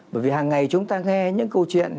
bởi vì hàng ngày chúng ta nghe những câu chuyện